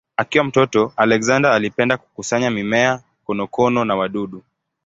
Akiwa mtoto Alexander alipenda kukusanya mimea, konokono na wadudu.